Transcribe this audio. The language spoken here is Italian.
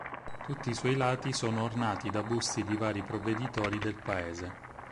Tutti i suoi lati sono ornati da busti di vari provveditori del paese.